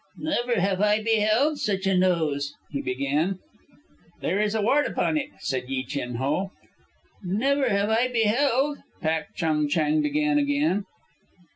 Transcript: "Never have I beheld such a nose," he began. "There is a wart upon it," said Yi Chin Ho. "Never have I beheld " Pak Chung Chang began again.